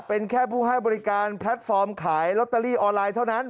เป็นแค่ผู้ให้บริการแพลตฟอร์มขายลอตเตอรี่ออนไลน์เท่านั้น